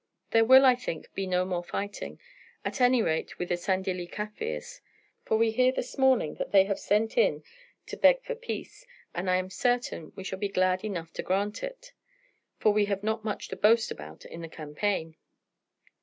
There will, I think, be no more fighting at any rate with the Sandilli Kaffirs for we hear this morning that they have sent in to beg for peace, and I am certain we shall be glad enough to grant it, for we have not much to boast about in the campaign.